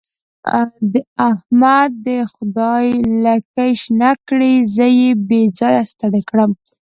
د احمد دې خدای لکۍ شنه کړي؛ زه يې بې ځايه ستړی کړم.